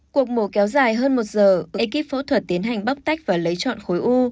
cuộc mổ kéo dài hơn một giờ ekip phẫu thuật tiến hành bóc tách và lấy chọn khối u